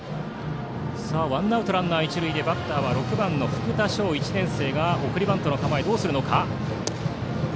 ワンアウトランナー、一塁バッターは６番の福田翔１年生が送りバントの構え。